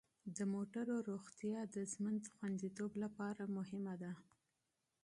د موټرو روغتیا د ژوند خوندیتوب لپاره مهمه ده.